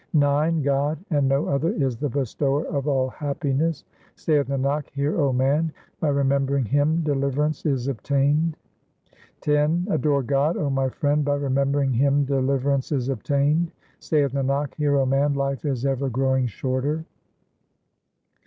IX God and no other is the Bestower of all happiness ; Saith Nanak, hear, O man, by remembering Him deliver ance is obtained. X Adore God, O my friend, by remembering Him deliver ance is obtained ; Saith Nanak, hear, O man, life is ever growing shorter.